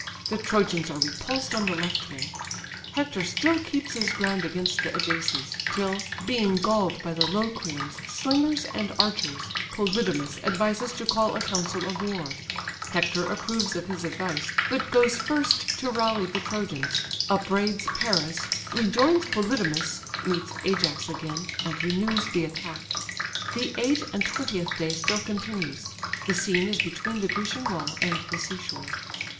The Trojans are repulsed on the left wing; Hector still keeps his ground against the Ajaces, till, being galled by the Locrian slingers and archers, Polydamas advises to call a council of war: Hector approves of his advice, but goes first to rally the Trojans; upbraids Paris, rejoins Polydamas, meets Ajax again, and renews the attack. The eight and twentieth day still continues. The scene is between the Grecian wall and the sea shore.